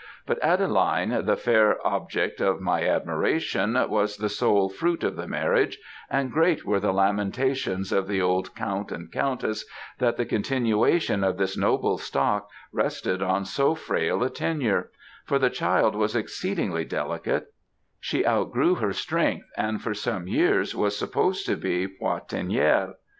But, Adeline, the fair object of my admiration, was the sole fruit of the marriage, and great were the lamentations of the old Count and Countess that the continuation of this noble stock rested on so frail a tenure, for the child was exceedingly delicate; she outgrew her strength, and for some years was supposed to be poitrinaire.